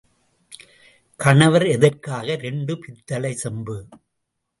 கணவர் எதற்காக இரண்டு பித்தளைச் சொம்பு?